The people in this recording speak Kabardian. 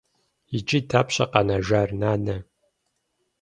Иджы дапщэ къэнэжар, нанэ?